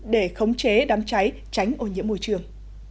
để khống chế đám cháy tránh ô nhiễm môi trường